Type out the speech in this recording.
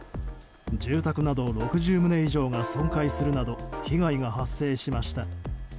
住宅など６０棟以上が損壊するなど被害が発生しました。